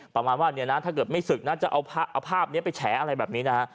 ประมาณว่าเนี่ยนะถ้าเกิดไม่ศึกนะจะเอาภาพนี้ไปแฉอะไรแบบนี้นะฮะ